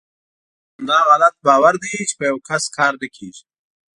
داغلط باور دی چې په یوکس کار نه کیږي .